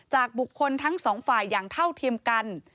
จากบุคคลทั้งสองฝ่ายอย่างเท่าเทียมกัน